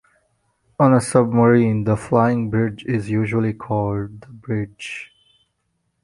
On a submarine, the flying bridge is usually called "the bridge".